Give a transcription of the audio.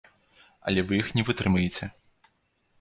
Але вы іх не вытрымаеце.